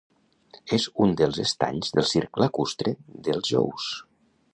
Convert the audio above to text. És un dels estanys del circ lacustre dels Jous.